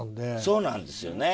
そうなんですよね。